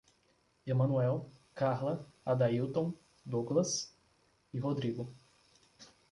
Emanoel, Carla, Adaílton, Douglas e Rodrigo